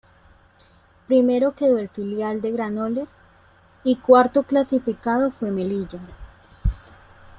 Primero quedó el filial del Granollers y cuarto clasificado fue Melilla.